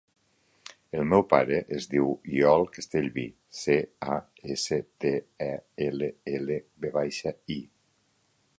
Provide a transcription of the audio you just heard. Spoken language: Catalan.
El meu pare es diu Iol Castellvi: ce, a, essa, te, e, ela, ela, ve baixa, i.